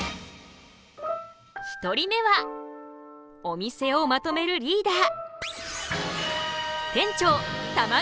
１人目はお店をまとめるリーダー。